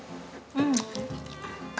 うん！